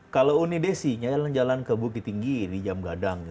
kalau uni desi nya jalan jalan ke bukit tinggi di jam gadang